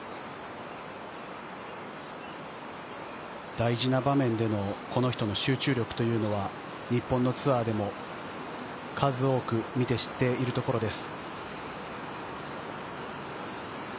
大事な場面でのこの人の集中力というのは日本のツアーでも数多く見て知っているところです。